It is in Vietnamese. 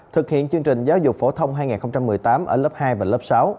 thực hiện chương trình giáo dục phổ thông hai nghìn một mươi tám ở lớp hai và lớp sáu